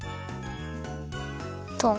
トン。